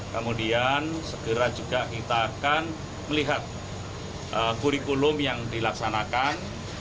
kemudian segera juga kita akan melihat kurikulum yang dilaksanakan